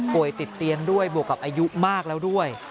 ติดเตียงด้วยบวกกับอายุมากแล้วด้วย